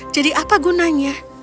jadi apa gunanya